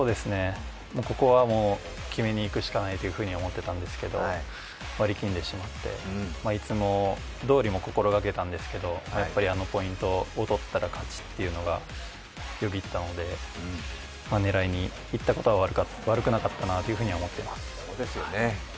ここは決めに行くしかないと思ってたんですけれども、力んでしまった、いつもどおりも心掛けたんですけどやっぱりあのポイントを取ったら勝ちというのがよぎったので狙いにいったことは悪くなかったなと思っています。